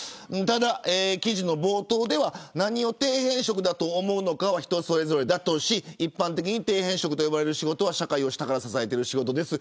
ただ、記事の冒頭では何を底辺職かと思うのかは人それぞれだとし一般的に底辺職と呼ばれる仕事は社会を下から支えている仕事です。